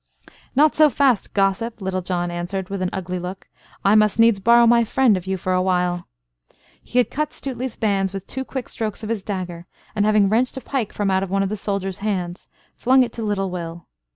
"Not so fast, gossip," Little John answered, with an ugly look; "I must needs borrow my friend of you for a while." He had cut Stuteley's bands with two quick strokes of his dagger, and having wrenched a pike from out of one of the soldiers' hands, flung it to little Will.